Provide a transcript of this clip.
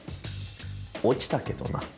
落ちたけどな。